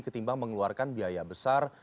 ketimbang mengeluarkan biaya besar